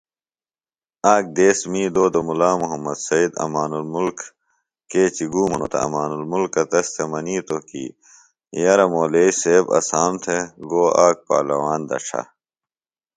آک دیس می دودوۡ مُلا محمد سید امان الملک کیچیۡ گُوم ہِنوۡ تہ امان المُلکہ تس تھےۡ منِیتوۡ کی یرہ مولئیۡ سیب اسام تھےۡ گو آک پالواݨ دڇھہ